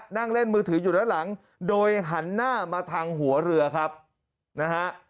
นั่งเล่นมือถืออยู่ด้านหลังโดยหันหน้ามาทางหัวเรือครับนะฮะ